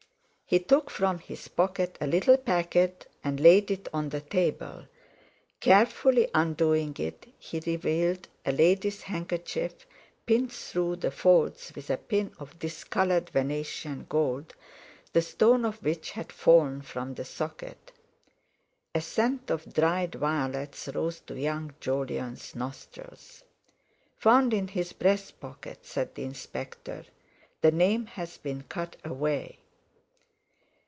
He took from his pocket a little packet and laid it on the table. Carefully undoing it, he revealed a lady's handkerchief, pinned through the folds with a pin of discoloured Venetian gold, the stone of which had fallen from the socket. A scent of dried violets rose to young Jolyon's nostrils. "Found in his breast pocket," said the Inspector; "the name has been cut away!"